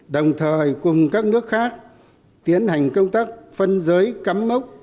đồng thời cùng các nước khác tiến hành công tác phân giới cắm mốc